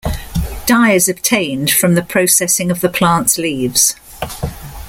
Dye is obtained from the processing of the plant's leaves.